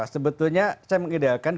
sebetulnya saya mengidealkan